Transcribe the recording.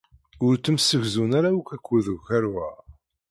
Ur ttemsegzun ara akk akked ukerwa.